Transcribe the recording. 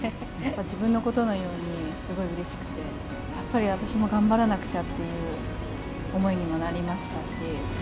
自分のことのようにすごいうれしくて、やっぱり、私も頑張らなくちゃっていう思いにもなりましたし。